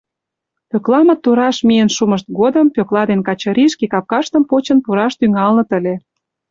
Пӧкламыт тураш миен шумышт годым Пӧкла ден Качыри шке капкаштым почын пураш тӱҥалыныт ыле.